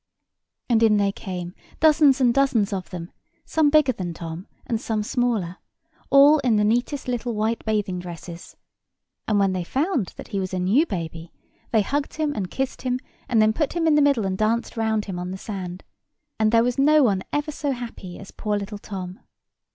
And in they came, dozens and dozens of them, some bigger than Tom and some smaller, all in the neatest little white bathing dresses; and when they found that he was a new baby, they hugged him and kissed him, and then put him in the middle and danced round him on the sand, and there was no one ever so happy as poor little Tom.